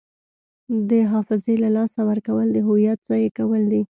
د حافظې له لاسه ورکول د هویت ضایع کول دي.